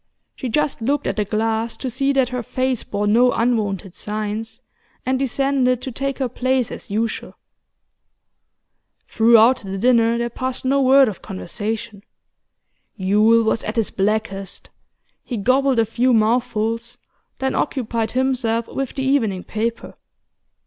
She just looked at the glass to see that her face bore no unwonted signs, and descended to take her place as usual. Throughout the dinner there passed no word of conversation. Yule was at his blackest; he gobbled a few mouthfuls, then occupied himself with the evening paper.